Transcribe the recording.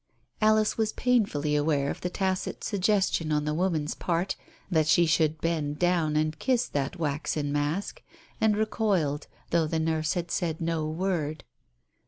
Alice was painfully aware of the tacit suggestion on the woman's part that she should bend down and kiss that waxen mask, and recoiled, though the nurse had said no word.